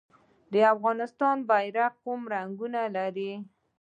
د افغانستان بیرغ کوم رنګونه لري؟